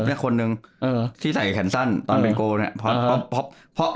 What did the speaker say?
ผมเนี้ยคนหนึ่งเออที่ใส่แขนสั้นตอนเป็นโกนเนี้ยเพราะเพราะเพราะ